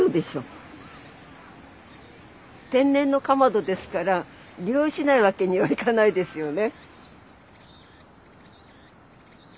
天然のかまどですから利用しないわけにはいかないですよね。